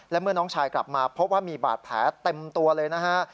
และเมื่อน้องชายกลับมาพบว่ามีบาดแผลเต็มตัวเลยนะฮะ